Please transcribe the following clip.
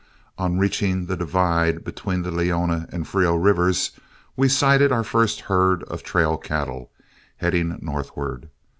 On reaching the divide between the Leona and Frio rivers, we sighted our first herd of trail cattle, heading northward.